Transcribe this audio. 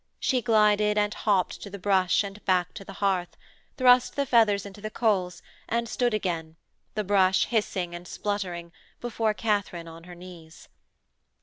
She glided and hopped to the brush and back to the hearth: thrust the feathers into the coals and stood again, the brush hissing and spluttering, before Katharine on her knees.